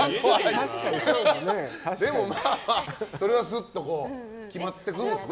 でも、それはすっと決まっていくんですね。